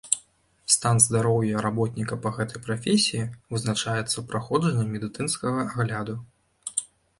Стан здароўя работніка па гэтай прафесіі вызначаецца праходжаннем медыцынскага агляду.